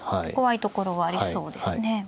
怖いところはありそうですね。